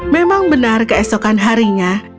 memang benar keesokan harinya